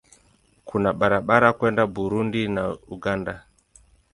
Kuna barabara kwenda Burundi na Uganda.